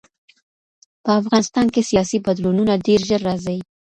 په افغانستان کې سیاسي بدلونونه ډېر ژر راځي.